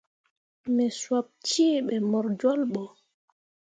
Me sop cee ɓe mor jolɓo.